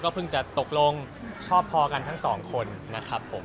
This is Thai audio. เพิ่งจะตกลงชอบพอกันทั้งสองคนนะครับผม